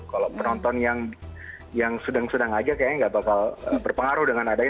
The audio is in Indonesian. kalau penonton yang sedang sedang aja kayaknya nggak bakal berpengaruh dengan adanya